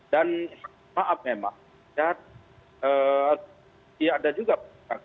dan maaf memang ya ada juga